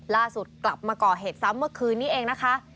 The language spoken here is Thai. ล่าสุดกลับมาก่อเหตุซ้ำเมื่อคืนนี้เองนะคะ